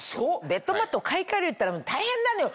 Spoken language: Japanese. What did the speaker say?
ベッドマットを買い替えるったら大変なのよ。